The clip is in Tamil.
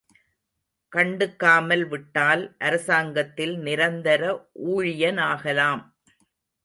கண்டுக்காமல் விட்டால் அரசாங்கத்தில் நிரந்தர ஊழியனாகலாம்.